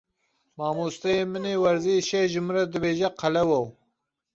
Mamosteyê min ê werzîşê ji min re dibêje qelewo.